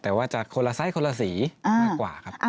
แต่ว่าจะคนละไซส์คนละสีมากกว่าครับ